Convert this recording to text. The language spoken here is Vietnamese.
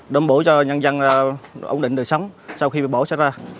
đồng bổ cho nhân dân ổn định đời sống sau khi bị bổ xét ra